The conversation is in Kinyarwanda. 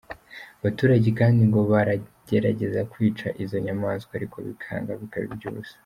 Abaturage kandi ngo bagerageza kwica izo nyamaswa ariko bikanga bikaba iby’ubusa.